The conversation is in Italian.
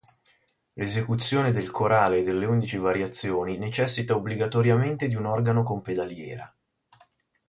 L'esecuzione del corale e delle undici variazioni necessita obbligatoriamente di un organo con pedaliera.